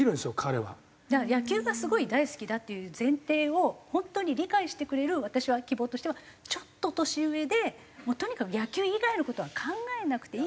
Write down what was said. だから野球がすごい大好きだっていう前提を本当に理解してくれる私は希望としてはちょっと年上でもうとにかく野球以外の事は考えなくていいですよっていうような。